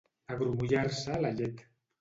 Agrumollar-se la llet.